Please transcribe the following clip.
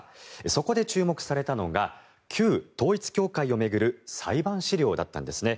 そこで注目されたのが旧統一教会を巡る裁判資料だったんですね。